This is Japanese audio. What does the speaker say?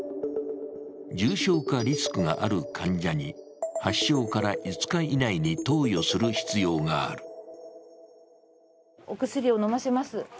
重症化リスクがある患者に発症から５日以内に投与する必要がある。